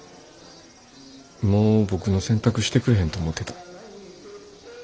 もう僕の洗濯してくれへんと思うてた。